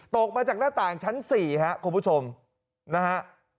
ตกมาจากหน้าต่างชั้น๔ครับคุณผู้ชมนะฮะ